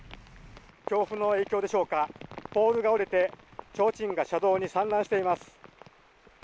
強風の影響でしょうか、ポールが折れて、ちょうちんが車道に散乱しています。